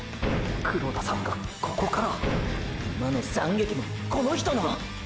黒田さんがここから今の三撃もこの人の！！